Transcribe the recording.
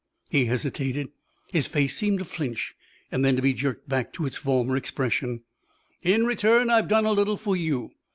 He hesitated; his face seemed to flinch and then to be jerked back to its former expression. "In return I've done a little for you.